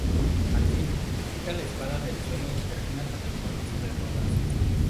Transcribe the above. Al fin, quita la espada del suelo y termina con el coloso de Rodas.